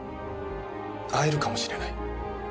会えるかもしれない。